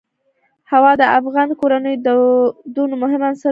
هوا د افغان کورنیو د دودونو مهم عنصر دی.